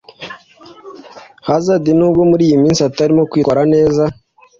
Hazard nubwo muri iyi minsi atarimo kwitwara neza